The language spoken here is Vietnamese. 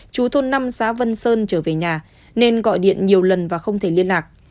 chú thôn năm xã vân sơn trở về nhà nên gọi điện nhiều lần và không thể liên lạc